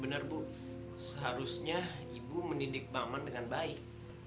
bener bu seharusnya ibu mendidik maman dengan baik